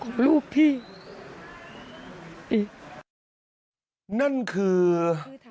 คุณพ่อครับสารงานต่อของคุณพ่อครับ